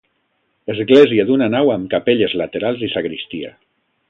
Església d'una nau amb capelles laterals i sagristia.